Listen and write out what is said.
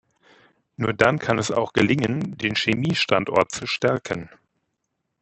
Nur dann kann es auch gelingen, den Chemie-Standort zu stärken.